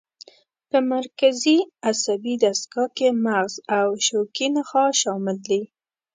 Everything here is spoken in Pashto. په مرکزي عصبي دستګاه کې مغز او شوکي نخاع شامل دي.